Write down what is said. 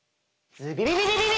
ズビビビビビビ！